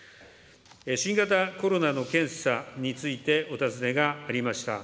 新型コロナの検査についてお尋ねがありました。